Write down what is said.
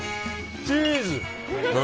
チーズ！